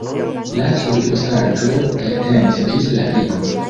La subfosaĵo eltenis ĝis la fino.